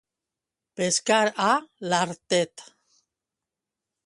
Pescar a l'artet.